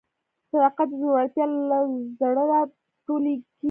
صداقت د زړورتیا له زړه راټوکېږي.